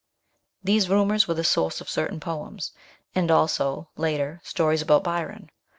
These rumours were the source of certain poems, and also, later, stories about Byron.